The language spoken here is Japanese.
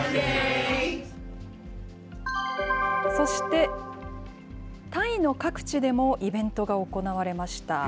そして、タイの各地でもイベントが行われました。